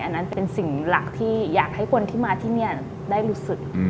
อันนั้นเป็นสิ่งหลักที่อยากให้คนที่มาที่นี่ได้รู้สึก